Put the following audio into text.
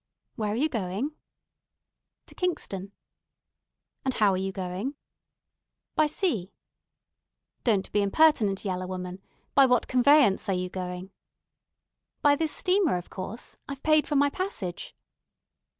"Where air you going?" "To Kingston." "And how air you going?" "By sea." "Don't be impertinent, yaller woman. By what conveyance air you going?" "By this steamer, of course. I've paid for my passage."